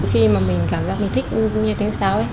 khi mà mình cảm giác mình thích nghe tiếng sáo ấy